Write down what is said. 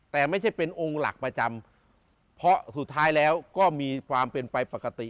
แต่ไม่ใช่เป็นองค์หลักประจำเพราะสุดท้ายแล้วก็มีความเป็นไปปกติ